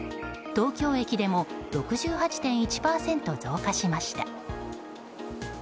東京駅でも６８．１％増加しました。